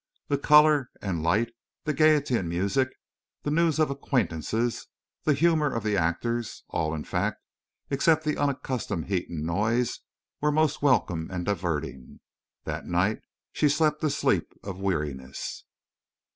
The color and light, the gayety and music, the news of acquaintances, the humor of the actors—all, in fact, except the unaccustomed heat and noise, were most welcome and diverting. That night she slept the sleep of weariness.